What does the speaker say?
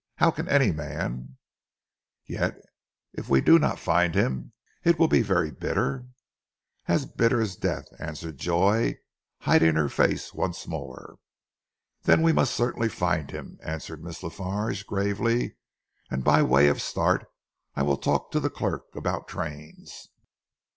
How can any man " "Yet if we do not find him, it will be very bitter?" "As bitter as death!" answered Joy, hiding her face once more. "Then we must certainly find him," answered Miss La Farge gravely. "And by way of a start, I will talk to the clerk about trains."